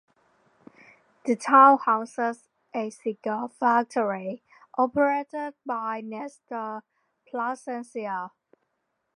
The town houses a cigar factory operated by Nestor Plasencia.